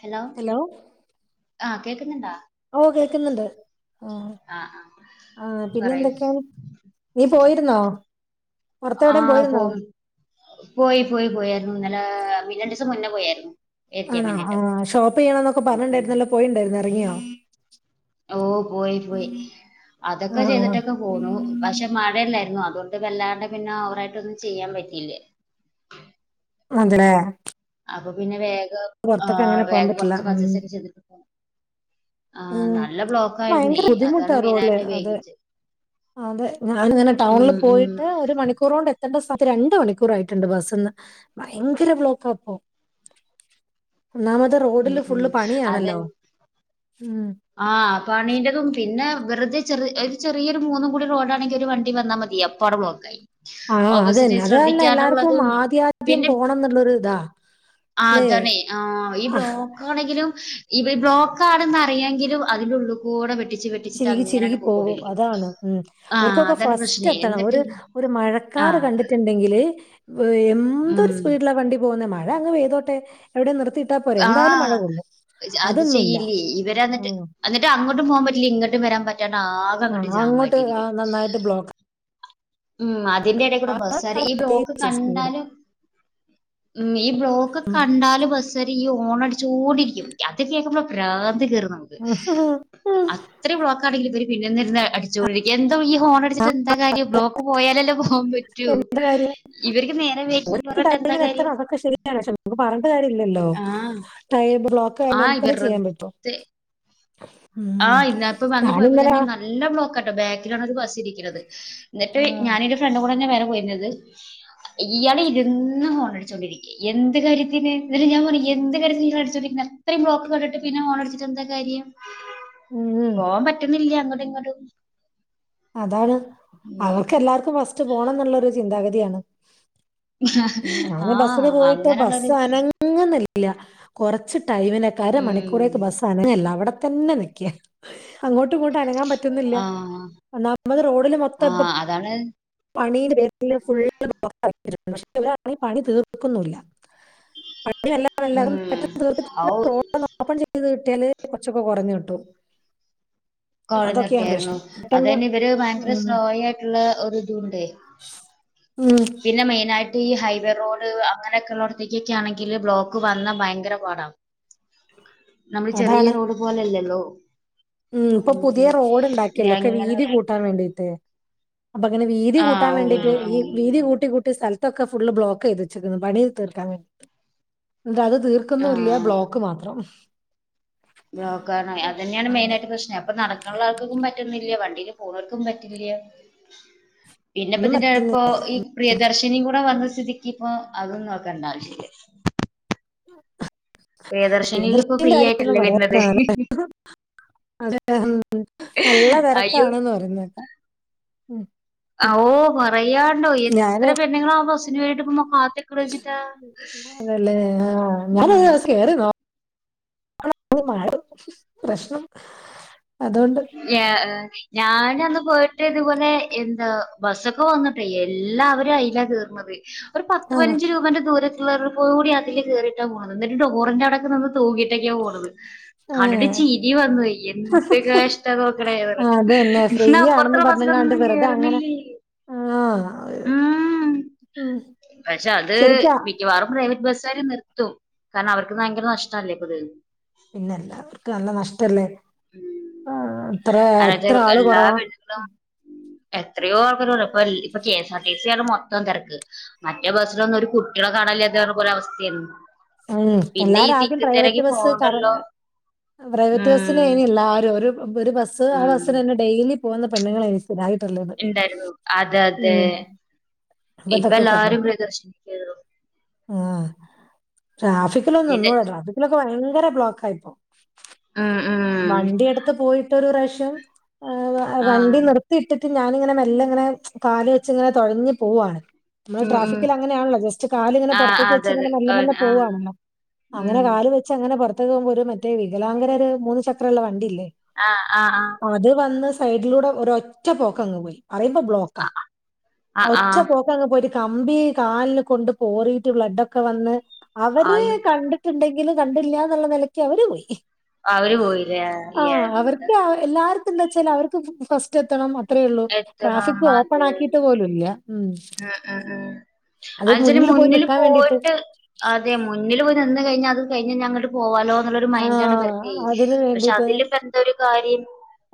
Hello. Hello. ആഹ് കേക്കുന്നുണ്ടാ ഓഹ് കേൾക്കുന്നുണ്ട് ആ ആ പിന്നെ പറയൂ എന്തൊക്കെയാണ് നീ പോയിരുന്നോ? പുറത്തെ എവിടെയും ആഹ് പോയിരുന്നോ പോവും പോയി പോയി പോയായിരുന്നു ഇന്നലെ രണ്ടീസം മുന്നേ പോയായിരുന്നു മേടിക്കാൻ ആണാ വേണ്ടിട്ട് ആ ഷോപ്പ് ചെയ്യണന്നൊക്കെ ഉം ഉം പറഞ്ഞിണ്ടരുന്നല്ലോ പോയിണ്ടായിരുന്നാ ഇറങ്ങിയോ? ഓ പോയി പോയി ആ അതൊക്കെ ചെയ്തിട്ടൊക്കെ പോന്നു പക്ഷെ മഴല്ലായിരുന്നൊ അതുകൊണ്ട് വല്ലാണ്ടെ പിന്നെ ഓറായിട്ടൊന്നും ചെയ്യാൻ പറ്റിയില്ലേ അതല്ലേ അപ്പൊ പിന്നെ വേഗം ആ അങ്ങനെ പോകാൻ വേഗം പറ്റില്ല കുറച്ച് ഉം പജസ ഒക്കെ ചെയതിട്ട് [unintelligible] ആഹ് ഉം നല്ല ബ്ലോക്ക് ആയിരുന്നേ ഭയങ്കര ബുദ്ധിമുട്ടാ അതാണ് റോഡില് മെയിനായിട്ട് അതെ ഉപയോഗിച്ചത് അതെ ഞാനിങ്ങനെ ടൗണിൽ ഉം പോയിട്ട് ഒരു മണിക്കൂർ കൊണ്ട് എ ത്തണ്ട സമയത്ത് രണ്ട് മണിക്കൂർ ആയിട്ടുണ്ട് ബസ്സിന്ന് ഭയങ്കര ബ്ലോക്കാപ്പോ ഒന്നാമത് ഉം റോഡില് ഉം ഫുള്ള് അതെ പണിയാണല്ലോ ഉം ആഹ് പണിന്റെതും പിന്നെ വെറുതെ ചെറിയ ഒരു ചെറിയരു മൂന്നും കൂടി റോഡ് ആണെങ്കിൽ ഒരു വണ്ടി വന്നാ മതിയാ പ്പവടെ ബ്ലോക്കായി ആഹ് ഓപ്പോസിറ്റ് അതന്നെ അതല്ലേ എല്ലാർക്കും ശ്രദ്ധിക്കാനുള്ളതും ആദ്യാദ്യം പിന്നെ പോണന്നുള്ളൊരുതാ ആഹ് അതാണേ ആഹ് ഇബ്ലോ ക്കാണെങ്കിലും ഇവ് ബ്ലോക്കാണന്നറിയെങ്കിലും അതിലുള്ളൂക്കൂടെ വെട്ടിച്ച് വെട്ടി ചിരികി ചിരികി പോകും അതാണ് ഉം ആഹ് ഇവർക്കൊക്കെ അതാണ് ഫസ്റ്റ് പ്രശ്നേ എത്തണം എന്നിട്ട് ഒരു ഒരു മഴക്കാര് ആഹ് കണ്ടിട്ടു ണ്ടെങ്കില് ഉം എന്തൊരു സ്പീഡിലാ വണ്ടി പോകുന്നെ മഴ അങ്ങ് പെയ്തോട്ടെ എവിടെ നിർത്തിയിട്ടാ പോരെ എന്തായാലും മഴ ആഹ് കൊള്ളും അത് അതൊന്നുല്ല ചെയ്യില്ലേ ഓ ഇവരന്നിട്ട് എന്നിട്ട് എന്നിട്ട് അങ്ങോട്ടും പോകാൻ പറ്റില്ല ഇങ്ങോട്ടും വരാൻ പറ്റാണ്ട് ആകെ ആ അങ്ങട് അങ്ങോട്ട് ആ ജാമായിട്ടിരിക്കും നന്നായിട്ട് ബ്ലോക്ക് ഉം അതിന്റെ ഇടകൂടെ ബസാര് ഈ ബ്ലോക്ക് സ്പീഡ്. കണ്ടാലും ഉം ഈ ബ്ലോക്ക് ഉം. കണ്ടാല് ബസ് കാര് ഈ ഓണടിച്ചോണ്ടിരിക്കും അത് കേക്കുമ്പോ പ്രാന്ത് കേറുന്നത് നമുക്ക് അത് ത്രേം ബ്ലോക്കാണെങ്കിലും ഇബര് പിന്നന്ന് അടിച്ചൊണ്ടിരിക്ക എന്തോ ഈ ഹോണടിച്ചട്ട്ന്താ കാര്യോ ബ്ളോക്ക് പോയാലല്ലേ പോവാൻ പറ്റൂ എന്ത് കാര്യം ഇവർക്ക് നേരം വൈകി പറഞ്ഞിട്ട് എന്താ കാര്യം പ്പ പറഞ്ഞിട്ട് കാര്യം ഇല്ലല്ലോ ആഹ് ടൈർ ബ്ലോക്കായെന് ആഹ് നമ്ക് ചെയ്യാൻ പറ്റോ വെറുതെ ഉം താനെങ്ങനാ എല്ല ബ്ലോക്കാട്ടോ ബാക്കിലാണ് ഒരു ബസ് ഇരിക്കുന്നത് എന്നിട്ട് ആ. ഞാനി ഒരു ഫ്രണ്ട് കൂടെ തന്നെ വറെ പോയിരുന്നത് ഇയാള് ഇരിന്ന് ഹോണടിച്ചോണ്ടിരിക്ക എന്ത് കാര്യത്തിന് ന്നിട്ട് ഞാൻ പറ എന്ത് കാര്യത്തിന് നിങ്ങള് അടിച്ചോണ്ടിക്കണേ ഇത്രയും ബ്ലോക്ക് കണ്ടിട്ട് പിന്നെ ഓണടിച്ചി്ട്ട് എന്താ കാര്യം ഉം. പോവാൻ പറ്റുന്നില്ല അങ്ങോട്ടും ഇങ്ങോട്ടും അതാണ് ഉം. അവക്ക് എല്ലാർക്കും ഫസ്റ്റ് പോണന്നുള്ളൊരു ചിന്താഗതിയാണ് ഞൻ ആ ബസ്സില് പോയിട്ട് അങ്ങനെയുള്ളൊരു ബസ്സ് അനങ്ങുന്നില്ല കുറച്ച് ടൈമിനക്കെ ഉം. അരമണിക്കൂറേക്ക് ബസ് അനങ്ണില്ല അവിടെത്തന്നെ നിക്കിയ അങ്ങോട്ടും ഇങ്ങോട്ടും അനങ്ങാൻ പറ്റുന്നില്ല ആ നമ്മള് റോഡില് മൊത്തം ആ ഇപ്പ അതാണ് പണീന്റെ ഫുള്ള് പക്ഷെ ഇവരാണെങ്കി പണി തീർക്കുന്നില്ല [inaudible] ല്ലല്ലും ഉം. പെട്ടെന്ന് തീർട്ടിട്ട് ഔ റോഡോന്ന് ഓപ്പൺ ചെയ്ത് കിട്ടിയാല് കൊറച്ചൊക്കെ കുറഞ്ഞു കിട്ടും അതൊക്കെയാണ് കോഴഞ്ഞിട്ടിയയിരുന്നു പ്രശ്നം അത് പെട്ടെന്ന് തന്നെ ഇവര് ഭയങ്കര ഉം സ്ലോ ആയിട്ടുള്ള ഒരു ഇതു ഉണ്ടെ ഉം പിന്നെ മെയിനായിട്ട് ഈ ഹൈവേ റോഡ് അങ്ങനെയൊക്കെ ഉള്ളോടത്തേക്കൊക്കെ ആണെങ്കിൽ ബ്ലോക്ക് വന്നാ ഭയങ്കര പാടാണ് നമ്മള് ചെറിയ അതാണ് റോഡ് പോലെല്ലല്ലോ ഉം ഇപ്പൊ പുതിയ റോഡ് ഉണ്ടാക്കിയല്ലോ ഒക്കെ എങ്ങനെ വീതി കൂട്ടാൻ വേണ്ടിട്ടേ അപ്പൊ അങ്ങനെ വീതി കൂട്ടാൻ ആഹ് വേണ്ടീട്ട് ഉവ്വ് ഈ ഉവ്വ് വീതി കൂട്ടി കൂട്ടി സ്ഥല ത്തൊക്കെ ഫുള്ള് ബ്ലോക്ക് ചെയ്ത് വെച്ചക്കണ് പണിയൊന്നും തീർക്കാൻ പ ന്നട്ട് അത് തീർക്കുന്നുവില്ല ആഹ് ബ്ലോക്ക് മാത്രം ബ്ലോക്കാണ് അത് തന്നെയാണ് ആണ് മെയിനായിട്ട് പ്രശ്നം അപ്പം നട നുള്ള ആൾക്കും പറ്റുന്നില്ല വണ്ടിൽ പോണോർക്കും പറ്റില്ല പിന്നെ ഇപ്പൊ ഒന്നും ഇതിന്റെ ഇപ്പൊ പറ്റുന്നില്ല ഈ പ്രിയദർശിനിയും കൂടെ വന്ന സ്ഥിതിക്ക് ഇപ്പൊ അതും നോക്കണ്ടാ ആവശ്യവില്ല പ്രിയദർശിനിൽ ഇപ്പോ ഫ്രീ ആയിട്ടല്ലേ [unintelligible] വരുന്നത് അതെ നല്ല അയ്യോ തിരക്കാണെന്ന് പറയുന്ന കേൾക്കാം ആവോ പറയാണ്ടോ എത്ര പെണ്ണുങ്ങളാ ആ ബസ്സിന് വേണ്ടിട്ട് ഇപ്പം അതേല്ലേ ആഹ് ഉം ഞാനിതുവരെ ബസ്സി കേറി നോ [unintelligible] പ്രശ്നം അതുകൊണ്ട് [unintelligible] ഞാന് അന്ന് പോയിട്ട് ഇതുപോലെ എന്താ ബസ്സൊക്കെ വന്നിട്ടേ എല്ലാവരും അയിലാ കേറു മതി ഒരു ആ പത്ത് പതിനഞ്ച് രൂപേന്റെ ദൂര വരുമ്പോളും കൂടി അതില് കേറിയിട്ടാ പോന്നത് എന്നിട്ട് ടോറിന്റെ അവിടൊക്കെ നിന്ന് തൂങ്ങിയിട്ടൊക്കെയാണ് പോന്നത് ഏ, കണ്ടിട്ട് ചിരി വന്നു പോയി എന്ത് കഷ് ആ, അത് തന്നെ [unintelligible] ഫ്രീ ഇന്ന് അപ്പുറത്തുള്ള ബസ്സിലൊന്നും കേറുന്നില്ലേ ആഹ് ഉം പക്ഷെ അത് ശരിക്കാ മി ക്കവാറും പ്രൈവറ്റ് ബസ്സുകാര് നിർത്തും കാരണം അവർക്ക് ഭയങ്കര നഷ്ടല്ലേ ഇപ്പോത് പിന്നെ എല്ലാവർക്കും നല്ല നഷ്ടല്ലേ ഉം ആ, ഇത്ര എത്ര അയെന്നാവെച്ചാ ആള് എല്ലാ കുറവാ പെൺകുട്ടികളും എത്രയോ ആർക്കരുള്ള ഇപ്പ ഇപ്പ കെ എസ് ആർ ടി സിയാണ് മൊത്തം തിരക്ക് മറ്റേ ബസിലൊന്നും ഒരു കുട്ടികളെ കാണായല്ലാത്ത പോലെ അവസ്ഥയാണ് ഉം പിന്നെ ഈ എല്ലാരും ആദ്യം തിക്ക് തിരക്കി പ്രൈവറ്റ് ബസ് ക പോവണ്ടല്ലോ പ്രൈവറ്റ് ബസ്സിന് ഉം കേറി എല്ലാരും ഒരു ഒരു ബസ്സ് ആഹ് ബസ്സിന് തന്നെ ഡെയിലി പോകുന്ന പെണ്ണുങ്ങളായിരുന്ന് ഇണ്ടായിരുന്നു അതെ അതെ ഉം അപ്പൊ ഇപ്പൊ ഇതൊക്കെ എല്ലാരും കുറഞ്ഞു. പ്രിയദർശനി കേറു ആഹ് ട്രാഫിക്കിലൊന്നും പിന്നെ നിന്നൂട ട്രാഫിക്കിലൊക്കെ ഭയങ്കര ബ്ലോക്കായിപ്പോ ആഹ് ആഹ് വണ്ടി എടുത്ത് പോയിട്ടൊരു പ്രാവിശ്യം ആഹ് വണ്ടി നിർ ഈ ഇരുട്ടത്ത് ഞാനിങ്ങനെ മെല്ലെ ഇങ്ങനെ കാല് വെച്ച് ഇങ്ങനെ തുഴഞ്ഞു പോവാണ് നമ്മള് ഉം ഉം ട്രാഫിക്കിൽ അങ്ങനെയാണല്ലോ ജസ്റ്റ് കാലിങ്ങനെ ആഹ് പുറത്തേക്ക് അതെ അതെ വെച്ചിങ്ങനെ മെല്ലെ മെല്ലെ ആഹ് പോവാണല്ലോ അങ്ങനെ ഉം കാല് വെച്ച് അങ്ങനെ പുറത്തേക്ക് പോകുമ്പോ ഒരു മറ്റേ വികലാംഗരുടെ മൂന്ന് ചക്രവുള്ള വണ്ടിയില്ലേ ആഹ് ആഹ് ആഹ് അത് വന്ന് സൈഡിലൂടെ ഒരൊറ്റ പോക്കങ് പോയി പറയുമ്പോ ബ്ലോക്കാ ആഹ് ആഹ് ഒറ്റ ആഹ് പോ പോയിട്ട് കമ്പി കാലിന് കൊണ്ട് പോറിയിട്ട് ബ്ലഡൊക്കെ വന്ന് അവര് ആഹ് കണ്ട ണ്ടെങ്കിലും കണ്ടില്ല എന്നുള്ള നിലയ്ക്ക് അവര് പോയി അവര് പോയില്ലേ ആഹ് അവർക്ക് അ എല്ലാർക്കും എന്താ വെച്ചാൽ അവർക്ക് ഫസ്റ്റ് എത്തണം അത്രേള്ളൂ എത്ര ട്രാഫിക് മത ഓപ്പൺ ആക്കിയിട്ട് പോലും ഇല്ല ആഹ് ആഹ് ആഹ് അത് അതുവെച്ചാല് മുന്നിൽ പോയി മുന്നില് നിക്കാൻ വേണ്ടിട്ട് പോയിട്ട് അതെ മുന്നില് പോയി നിന്ന് കഴിഞ്ഞാ അത് കഴിഞ്ഞ് ഞങ്ങ പോവാലോ എന്നുള്ളരു മൈൻഡാണ് ആഹ് ഇവർക്കെ അതിന് പക്ഷെ വേണ്ടിട്ട് അതില് ഇപ്പ എന്തൊരു കാര്യം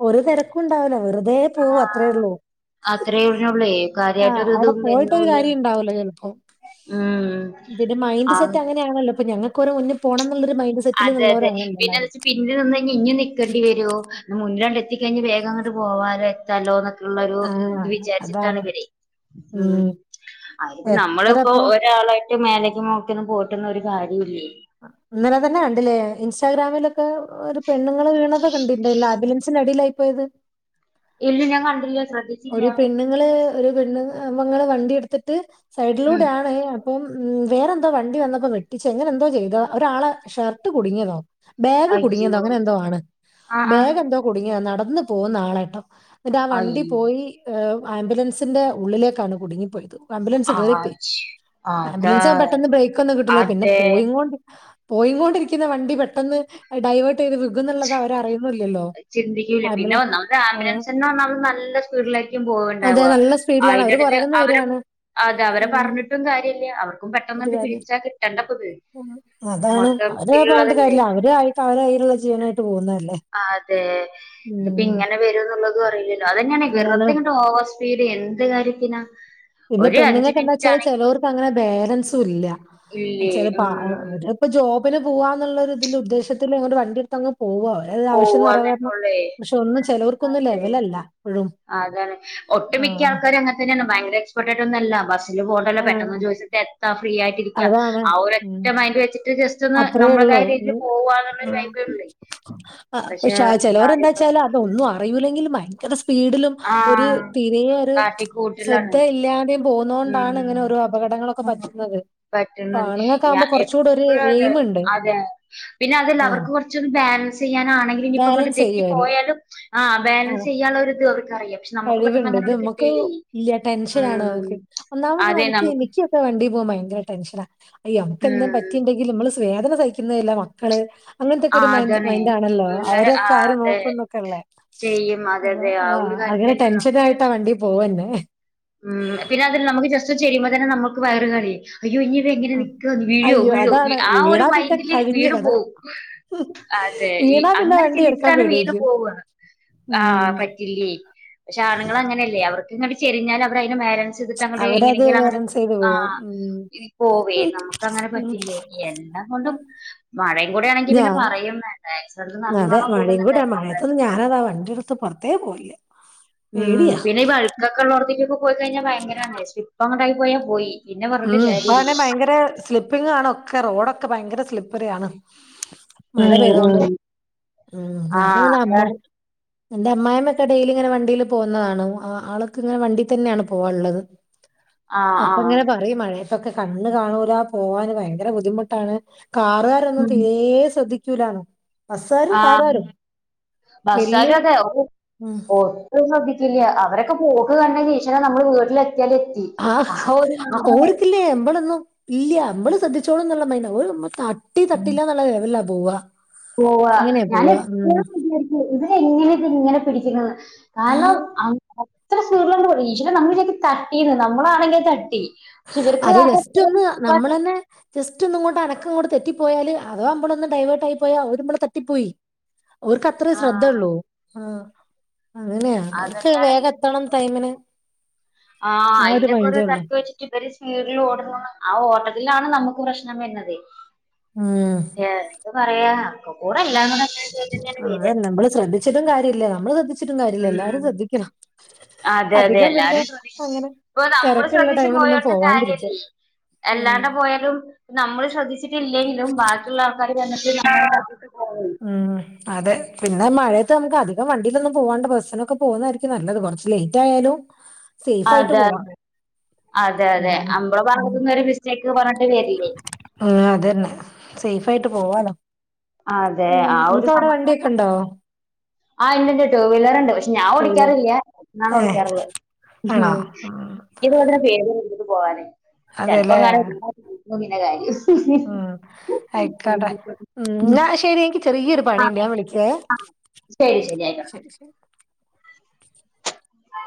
ഒരു തെരക്കും ഉണ്ടാവൂല വെറുതെ പോവാ അത്രേ ഉള്ളൂ അത്രയുള്ളൂലേ കാ ആഹ് അവിടെ പോയിട്ടൊരു കാര്യം ഇണ്ടാവുല ചിലപ്പോ ഉം മൈൻഡ് ആഹ് സെറ്റ് അങ്ങനെയാണല്ലോ ഇപ്പോ ഞങ്ങക്ക് ഓരെ മുന്നിൽ പോണം എന്നുള്ളൊരു മൈൻഡ് അതെ അതെ സെറ്റിലുള്ളവരാണല്ലോ പിന്നെ എല്ലാരും. എ പിന്നിൽ നിന്ന് കഴിഞ് ഇനി നിൽക്കേണ്ടി വരോ മുന്നിലാണ്ട്എത്തിക്കഴിഞ്ഞ് വേഗം അങ്ങോട്ട് പോവാലേ തല്ലോന്നൊക്കെള്ളൊരു ആ ഇത് വിചാരിച്ചിട്ടാണ് അതാണ്. ഇവരെ ഉം അതിപ്പം എത്ര നമ്മളിപ്പോ ഇപ്പൊ ഒരാളായിട്ട് മേലേക്ക് നോക്കി പോയിട്ടൊന്നും ഒരു കാര്യം ഇല്ലേ ഇന്നലെ തന്നെ കണ്ടില്ലേ ഇൻസ്റ്റാഗ്രാമിലൊക്കെ ഒരു പെണ്ണുങ്ങള് വീണതാ കണ്ടില്ലേ ലാബില [unintelligible] അടിയിലായി പോയത് ഇല്ല ഞാൻ കണ്ടില്ല ശ്രദ്ധി ഒരു പെണ്ണുങ്ങള് ഒരു പെണ്ണ് അപങ്ങള് വണ്ടി എടുത്തിട്ട് ഉം സൈഡിലൂടെയാണ് അപ്പം ഉം വേറെന്തോ വണ്ടി വന്നപ്പോ വെട്ടിച്ച് അങ്ങനെ എന്തോ ചെയ്താ ഒരാളെ ഷർട്ട് കുടുങ്ങിയതോ ബാഗ് കുടുങ്ങിന്നോ അയ്യോ അങ്ങനെ എന്തോ ആണ് ആഹ് ആഹ് ബാഗ് എന്തോ കുടുങ്ങിയ നടന്ന് പോവുന്ന ആളെട്ടോ എന്നിട്ട് ആഹ് അയ് വണ്ടി ഈ ആംബുലൻസിന്റെ ഉള്ളിലേക്കാണ് കുടുങ്ങിപ്പോയത് ആംബുലൻസ് കേറിപ്പോയി ആജ് അതാ ആംബുലൻസ് പെട്ടെന്ന് ബ്രേക്ക് ഒന്നും കിട്ടൂല പിന്നെ അതെ പോയി കൊണ്ട് പോയികൊണ്ടിരിക്കുന്ന വണ്ടി പെട്ടെന്ന് ഡൈവേർട്ട് ചെയ്ത് വികുന്നുള്ളത് അവരറിയുന്നില്ലല്ലോ ചിന്തിക്കൂല പിന്നെ ആംബുലൻസ് ഒന്നാമത് ആംബുലൻസന്റെ ഒന്നാമത് നല്ല സ്പീഡിലേക്കും പോവുണ്ടാവ അതെ നല്ല സ്പീഡിലാണ് അവര് അയ്നടക്ക് പുറകുന്ന് അവര് വരികയാണ് അതെ അവരെ ഉം, പറഞ്ഞിട്ടും കാര്യല്ല അവർക്കും ഒരു പെട്ടെന്നെന്ന് കാര്യം പിടിച്ചാ കിട്ടണ്ടപ്പത് ഉം. അതാണ് മൊത്തം അവര് പറഞ്ഞിട്ട് ഇതിലുള്ളതല്ലേ കാര്യല്ല അവര് ആയിട്ട് അവരകയ്യിലുള്ള ജീവനായിട്ട് പോകുന്നല്ലേ അതെ ഇതിപ്പം ഇങ്ങനെ വരുന്നുള്ളത് അറിയില്ലല്ലോ അതന്നെണ് അതാണ് വെറുതെ ഇങ്ങട്ട് ഓവർ സ് വിടി എന്ത് കാര്യത്തിനാ പിന്നെ ഒരു അഞ്ച് പെണ്ണുങ്ങൾക്ക് എന്താ മിനിറ്റ് വെച്ചാല് ആണെങ്കിലും ചെലേർക്ക് അങ്ങനെ ബാലൻസും ഇല്ല ഇല്ലേ എന്താച്ചാല് ഉം ഇപ്പൊ ജോബിന് പോവാന്നുള്ള ഇതില് ഉദ്ദേശത്തില് ഇങ്ങട്ട് വണ്ടിയെടുത്തങ്ങ് പോവ ഓല ആവശ്യം പോവാന്നന്നെ നെറവേറണം ഒള്ളേ പക്ഷെ ഒന്ന് ചെലേർക്കൊന്നുല്ലെ അതെ ലെവലല്ല ഇപ്പഴും അതാണ് ഒട്ടു മിക്ക ആഹ് ആൾക്കാര് അങ്ങനതന്നെണ് ഭയങ്കര എക്സ്പേർട്ടായിട്ടല്ല ബസ് പോണ്ടല്ലോ ആഹ് പെട്ടെന്ന് ചോയിച്ചിട്ട് എത്താം ഫ്രീ യായിട്ടിരിക്ക ആ ഒറ്റ മൈന്റ് വെച്ച് അത്രയേ ഉള്ളൂ വൈബേ ഉള്ളൂ പക്ഷെ ചെലോര് എല്ലാരും എന്താ ഇപ്പൊ വെച്ചാല് ശ്രദ്ധിക്കുന്നത് അതൊന്നും അറിയൂലങ്കിലും ഭയങ്കര സ്പീഡിലും ആ ഒര് തിരെ ഒരു ശ്രദ്ധ കാട്ടിക്കൂട്ടലാണ് ഇല്ലാതെ പോന്നോണ്ടാണ് ഉം ഇങ്ങനെ ഓരോ അപകടങ്ങളൊക്കെ പറ്റുന്നത് പറ്റുന്നത് ഞാ ആണുങ്ങക്കാക്കുമ്പോ കൊറച്ചുകൂടി ഒരു ഇത് എപ്പഴും അതെ പിന്നെ അതല്ല ആഹ് അവർക്ക് കൊറച്ച് ബാലൻസ് ചെയ്യാനാണങ്കില്നിപ്പോ ഇങ്ങട്ട് ബാലൻസ് ചെയ്യും അവര് തെറ്റിപ്പോയാലും ആ ആഹ് ബാലൻസ് ചെയ്യാനുള്ളരിത് അവർക്കറിയും കഴിവുണ്ട് ഇത് നമക്ക് ഇല്ല ടെൻഷനാണ് ഉം നമക്ക് ഒന്നാമത് നമുക്ക് എനിക്ക് വണ്ടി പോവുമ്പോ ഭയങ്കര ടെൻഷന അയ്യോ അൻക്കെന്ത് ഉം പറ്റ് റ്റിണ്ടങ്കില് നമ്മള് വേദന സഹിക്കുന്നതെല്ലാം മക്കള് അങ്ങനത്തെക്കെ ആ ഒരു മൈന്റ്സ് അതാണ് മൈന്റാണല്ലോ പിള്ളേരെ ആ അവരൊക്കെ ആര് അതെ നോക്കും എന്നൊക്കെള്ളേ ചെയ്യും അതെ അള്ളാ അതെ ആ ആഹ് ഒരു കാര്യത്തില് അങ്ങനെ തന്നെ നമുക്ക് ടെൻഷനായിട്ട ടെൻഷൻ വണ്ടിയിൽ പോവന്നെ ഉം പിന്നെ അതി നമുക്ക് ജസ്റ്റ് ചെരിയുമ്പോ തന്നെ നമുക്ക് വയറ് കരിയും അയ്യോ ഇനി ഇതെങ്ങനെ നിക്ക വീയോ അയ്യോ വീഴോ അതാണ് ആ ഒരു വീണാ പിന്നെ മൈന്റില് കഴിഞ്ഞ വീണ് കഥ പോവും അതെ വീണാ പിന്നെ അങ്ങനെ വണ്ടി എടുക്കാൻ ചിന്തിച്ചിട്ടാണ് വീണ് പേടിയായിരിക്കും പോവ ആ ഉം പറ്റീല്യ പക്ഷെ ആണുങ്ങള് അങ്ങനെല്ലേ അവർക്ക്ങ്ങട്ട് ചെരിഞ്ഞാലും അവര് അയ്ന്റെ മേല ചെയ്ത്ട്ട് അങ്ങട്ടെ അവരത് എങ്ങനെങ്കിലും അങ്ങട്ട് ബാലൻസ് ചെയ്ത് പോവും ആഹ് ഉം. പോവേന്ന് നമക്കങ്ങനെ ഉം. പറ്റില്ലേ എല്ലാം കൊണ്ടും മഴ കൂടി ആണെങ്കിൽ ഞാ പിന്നെ പറയും വേണ്ട ഏക്സ്ലേറ്റർ അതെ നല്ലോണ്ണം മഴയും കൂടെ കൂടുന്നുണ്ടായിരി മഴയത്തൊന്നും ഞാനതാ വണ്ടിയെടുത്ത് പെറത്തേ പോവേല്ല ഉം പിന്നെ ഈ വഴക്കെക്കെ ഉള്ളോട്ത്ത്ക്ക് പോയി കഴിഞ്ഞാ ഭയങ്കരാണ് സ്ലിപ്പ് അങ്ങട്ടായാ പോയാൽ പോയി പിന്നെ ഉം പറഞ്ഞിട്ട് കാര്യല്ല ഇപ്പാണെ ഭയങ്കര സ്ലിപ്പിങ്ങാണ് ഒക്കെ റോഡൊക്കെ ഭയങ്കര സ്ലിപ്പറി ആണ് മഴ ഉം പെയ്തൊണ്ട് ഉം ഉം ആഹ് ഞാനിങ്ങനെ അമ്മ അതാണ് എന്റെ അമ്മായിമ്മ ഒക്കെ ഡെയിലി ഇങ്ങനെ വണ്ടില് പോവുന്നതാണ് ആൾക്ക്ങ്ങനെ വണ്ടി തന്നെയാണ് പോവാള്ളത് ആഹ് ആഹ് അപ്പങ്ങനെ പറ ഈമഴയതെക്കെ കണ്ണ് കാണൂല പോവാന് ഭയങ്കര ബുദ്ധിമുട്ടാണ് കാറാര് തെന്നും ഉം തീരെ ശ്രദ്ധിക്കൂലാണു ആഹ് വല്യ ബസ്സാരു അതെ ഓ ഉം ഒന്നും ശ്രദ്ധിക്കില്ല അവരൊക്കെ പോക് കണ്ട ഇന്റെ ഈശ്വരാ നമ്മള് വീട്ടില് എത്തിയാൽ എത്തി ആഹ് ആ ഒരു ഓർക്കില്ലേ എമ്പളൊന്നും ഇല്ല എമ്പള് ശ്രദ്ധിച്ചേളുന്നുള്ള മൈന്റാ ഓല് നമ്മളെ തട്ട് ട്ടി തട്ടില്ല എന്നുള്ള ലെവലിലാ പോവുക പോവ ഞാൻ എപ്പഴും വിചാരിക്കും ഇവര് എങ്ങനെ ഇത് ഇങ്ങനെ പിടിക്കുന് കാരണം ആഹ് അത്ര സ്പീഡ്‌ല്ണ്ട് പോന്ന് ഈശര്യ നമ്മള് വിചാരിക്കും തട്ടീന്ന് നമ്മളാണെങ്കി തട്ടി. ക്ഷെ അത് ഇവർക്ക്അത് ജസ്റ്റ് ഒന്ന് നമ്മള് [unintelligible] തന്നെ ജസ്റ്റ് ഒന്നങ്ങോണ്ട് അനക്കങ്ങോട്ട് തെറ്റിപ്പോയാല് അഥവാ അപ്പാട്‌ ഒന്ന് ഡൈവേർട്ട് ആയി പോയാ അവര് നമ്മള തറ്റിപ്പോയി ഓർക്ക് അത്രേ ആഹ് ശ്രദ്ധയള്ളൂ ആ അങ്ങനെയ അവർക്ക് അതന്നെയാണേ വേഗം എത്തണം ടൈമിന് ആഹ് ആ അയിനൊക്കെ ഒരു മൈൻഡേ ഉള്ളൂ. തട്ടു വെച്ച് ഇവര് സ്പീഡിൽ ഓടുന്നു ആ ഓട്ടത്തിലാണ് നമുക്ക് പ്രശ്നം വരുന്നത്. മ് എന്ത് പറയാ അക്കക്കൂടല്ലാങ്‌ന്ന് ആഹ് അതന്നെ നമ്മള് ശ്രദ്ധിച്ചിട്ടും കാര്യം ഇല്ല നമ്മള് ശ്രദ്ധിച്ചിട്ടും കാര്യം ഇല്ല എല്ലാരും ഉം ശ്രദ്ധിക്കണം അതെ അതെ അധികം പിന്നെ എല്ലാരും ശ്രദ്ധിക്കണം അങ്ങനെ ഇപ്പൊ നമ്മള് തിരക്കുള്ള ശ്രദ്ധിച്ച് ടൈമിലൊന്നും പോയോണ്ടും പോവാണ്ടിരിക്ക കാര്യല്ലേ ഉം എല്ലാണ്ട് പോയാലും നമ്മള് ശ്രദ്ധിച്ചിട്ടില്ലെങ്കിലും ബാക്കിയുള്ള ആൾക്കാര് ചെന്നിട്ട് നമ്മളെ തട്ടീറ്റ് പോകും ഉം അതെ പിന്നെ മഴയത്ത് നമുക്ക് അധികം വണ്ടീലൊന്നും പോകാണ്ട് ബസ്സിനൊക്കെ പോകുന്നതായിരിക്കും നല്ലത് കുറച്ച് ലേറ്റ് ആയാലും സേഫ് ആയിട്ട് അതെ പോവാ അതെ അതെ എന്താണ് അമ്മളെ ഭാഗത്ത്ന്നൊരു മിസ് ചെക്ക് പറഞ്ഞിട്ട് കേറ്റീല്ലേ മ്മ് അതന്നെ സേഫ് ആയിട്ട് പോവാലോ അതെ ഉം ആ നിനക്കവിടെ വണ്ടിയൊക്കെ ഇണ്ടോ ആഹ്‌ ഇണ്ട് ഇണ്ട് ടു വീലർണ്ട് പക്ഷേ ഞാൻ ടു വീലർ ഓടിക്കാറില്ല ന്നാണ് ഏ ഓടിക്കാറുള്ളത്. ആണോ ആഹ് ഇത് പോലെ പേടിയാ എടുത്തിട്ട് പോകാന് അതെല്ലേ ചെലപ്പോങ്ങാനും വീണ [unintelligible] പിന്നെ കാര്യം ഉം ആയിക്കാട്ടെ ഉം എന്നാ ശെരി എനിക്ക് ചെറിയൊരു പണി ഉണ്ട് ഞാൻ വിളിക്കേ ശരി ഉം ശരി ആക്കാം ശരി ശരി